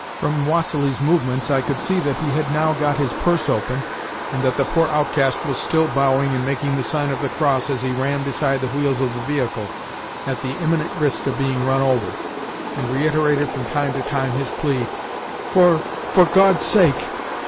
From Vassili's movements, I could see that he had now got his purse open, and that the poor outcast was still bowing and making the sign of the cross as he ran beside the wheels of the vehicle, at the imminent risk of being run over, and reiterated from time to time his plea, "For for God's sake!"